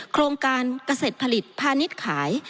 โครงการเกษตรผลิตพาณิชย์ขาย